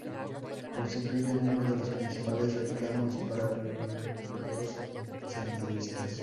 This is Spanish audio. Constituyen uno de los principales reclamos para los senderistas.